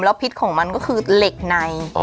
พิษของมันก็คือเหล็กใน